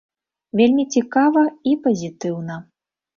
Вельмі цікава і пазітыўна.